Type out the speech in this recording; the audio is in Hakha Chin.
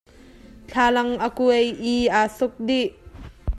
Thlalang a kuai i a sok dih.